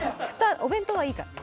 お弁当はいいから。